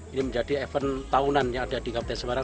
ini menjadi event tahunan yang ada di kabupaten semarang